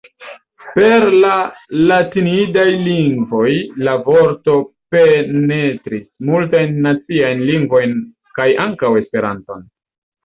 Per la latinidaj lingvoj la vorto penetris multajn naciajn lingvojn kaj ankaŭ Esperanton.